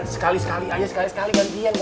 sekali sekali aja sekali sekali gantian